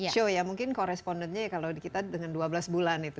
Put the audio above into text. show ya mungkin korespondennya ya kalau kita dengan dua belas bulan itu